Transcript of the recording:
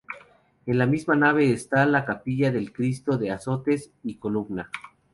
En la misma nave está la capilla del Cristo de Azotes y Columna.